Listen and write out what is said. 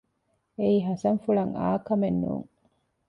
އެއީ ހަސަންފުޅަށް އާކަމެއް ނޫން